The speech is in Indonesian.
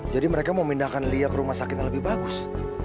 jadi mereka mau pindahkan lia ke rumah sakit yang lebih bagus